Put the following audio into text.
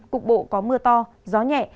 cục bộ có mưa to gió nhẹ